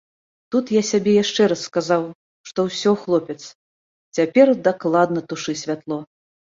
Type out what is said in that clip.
Тут я сабе яшчэ раз сказаў, што ўсё, хлопец, цяпер дакладна тушы святло.